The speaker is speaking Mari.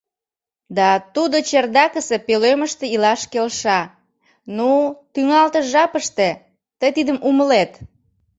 Да тудо чердакысе пӧлемыште илаш келша... ну, тӱҥалтыш жапыште, тый тидым умылет.